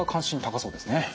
そうですね。